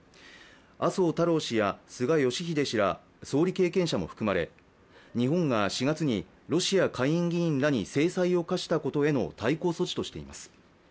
麻生太郎氏や菅義偉氏ら総理経験者も含まれ日本が４月にロシア下院議員らに制裁を科したことへの対抗措置としています。